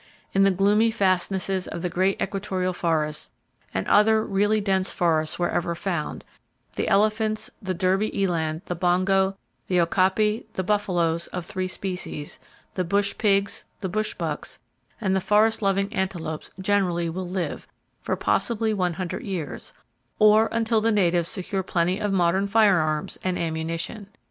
In the gloomy fastnesses of the great equatorial forests, and other really dense forests wherever found, the elephants, the Derby eland, the bongo, the okapi, the buffaloes (of three species), the bush pigs, the bushbucks and the forest loving antelopes generally will live, for possibly one hundred years,—or until the natives secure plenty of modern firearms and ammunition.